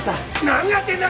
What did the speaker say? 何やってんだ！？